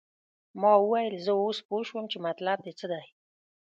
ما وویل زه اوس پوه شوم چې مطلب دې څه دی.